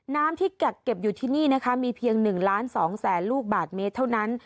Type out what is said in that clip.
น้ำที่แกะเก็บอยู่ที่นี่มีเพียง๑๒๐๐๐๐๐ลูกบาทเมตรเท่านั้น